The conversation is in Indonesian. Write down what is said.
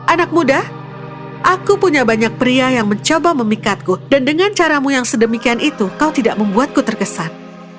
anak muda aku punya banyak pria yang mencoba memikatku dan dengan caramu yang sedemikian itu kau tidak membuatku terkesan